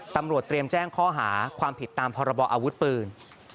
ตำรวจเตรียมแจ้งข้อหาความผิดตามพรบออาวุธปืน